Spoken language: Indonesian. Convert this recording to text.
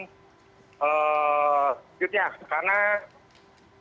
dan sebetulnya karena saya sendiri fokus mengenai tempat berlindung